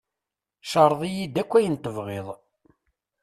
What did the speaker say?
Ceṛḍ-iyi-d akk ayen tebɣiḍ!